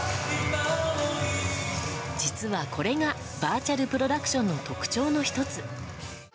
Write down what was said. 実は、これがバーチャルプロダクションの特徴の１つ。